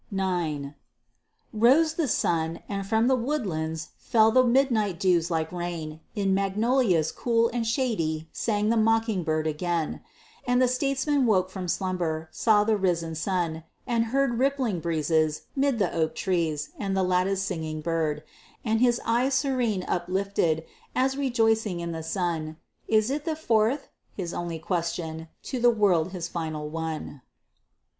IX Rose the sun, and from the woodlands fell the midnight dews like rain, In magnolias cool and shady sang the mocking bird again; And the statesman woke from slumber, saw the risen sun, and heard Rippling breezes 'mid the oak trees, and the lattice singing bird, And, his eye serene uplifted, as rejoicing in the sun, "It is the Fourth?" his only question, to the world his final one.